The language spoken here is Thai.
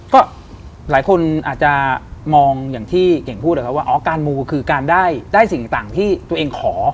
ก็หลายคนอาจจะมองอย่างที่เก่งพูดนะครับว่าอ๋อการมูคือการได้สิ่งต่างที่ตัวเองขอ